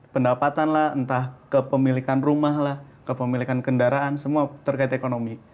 pendapatan lah entah kepemilikan rumah lah kepemilikan kendaraan semua terkait ekonomi